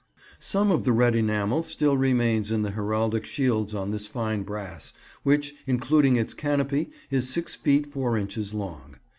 Some of the red enamel still remains in the heraldic shields on this fine brass, which, including its canopy, is six feet four inches long.